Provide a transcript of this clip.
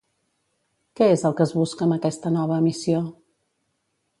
Què és el que es busca amb aquesta nova emissió?